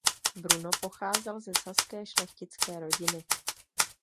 Bruno pocházel ze saské šlechtické rodiny.